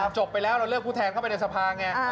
จบไปแล้วเราเลือกผู้แทนเข้าไปในสภาไง